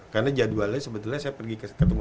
karena jadwalnya sebetulnya saya pergi ketemu